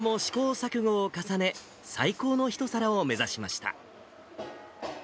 宇津本さん、その後も試行錯誤を重ね、最高の一皿を目指しました。